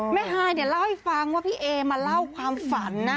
ฮายเนี่ยเล่าให้ฟังว่าพี่เอมาเล่าความฝันนะ